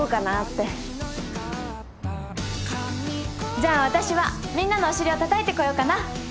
じゃあ私はみんなのお尻をたたいてこようかな！